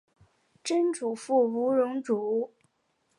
曾祖父吴荣祖。